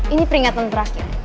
ini peringatan terakhir